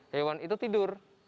hewan itu tidur